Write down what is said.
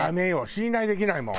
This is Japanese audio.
信頼できないもん！